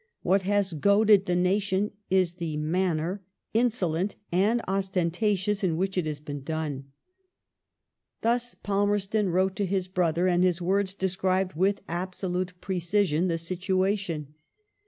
What has goaded the nation is the manner, insolent and ostentatious, in which it has been done." Thus Palmereton wrote to his brother, 196 LORD JOHN RUSSELL'S ADMINISTRATION [1846 and his words described, with absolute precision, the situation.